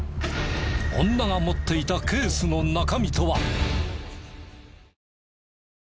女が持っていたケースの中身とは？